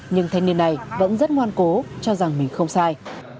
nhưng thanh niên này vẫn rất ngoan cố cho rằng mình không sai